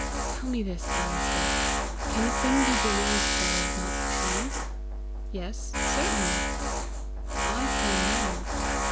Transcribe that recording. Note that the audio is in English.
"Tell me this, Alister: can a thing be believed that is not true?" "Yes, certainly!" "I say, NO.